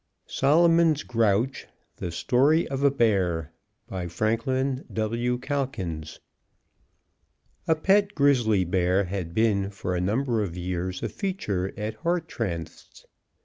SOLOMON'S GROUCH: THE STORY OF A BEAR By Franklin W. Calkins A pet grizzly bear had been for a number of years a feature at Hartranft's.